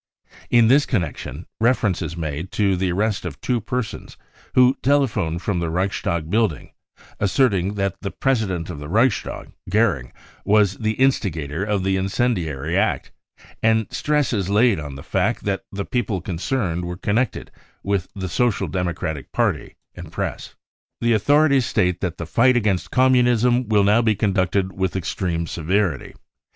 In this connection, refer ence is made to the arrest of two persons who telephoned from the Reichstag building asserting that the President of the Reichstag, Goering, was the instigator of the incendiary act, and stress is laid on the fact that the people concerned were connected with the Social Democratic Party and press. c The authorities state that the fight against Communism will now be conducted with extreme severity.